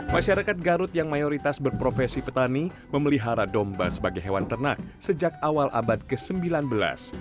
masyarakat garut yang mayoritas berprofesi petani memelihara domba sebagai hewan ternak sejak awal abad ke sembilan belas